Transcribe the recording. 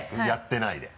やってない！